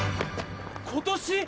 今年。